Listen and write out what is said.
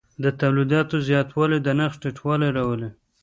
د تولید زیاتوالی د نرخ ټیټوالی راولي.